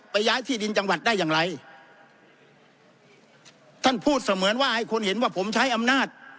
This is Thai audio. ย้ายที่ดินจังหวัดได้อย่างไรท่านพูดเสมือนว่าให้คนเห็นว่าผมใช้อำนาจ